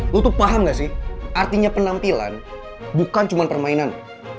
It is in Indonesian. tutup paham gak sih artinya penampilan bukan cuma permainan